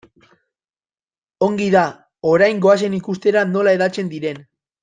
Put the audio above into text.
Ongi da, orain goazen ikustera nola hedatzen diren.